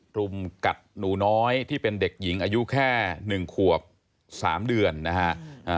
รุมกัดหนูน้อยที่เป็นเด็กหญิงอายุแค่๑ขวบ๓เดือนนะฮะ